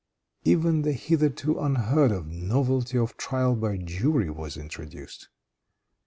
Even the hitherto unheard of novelty of trial by jury was introduced.